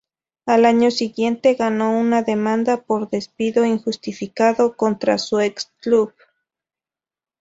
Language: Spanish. Al año siguiente, ganó una demanda por despido injustificado contra su ex-club.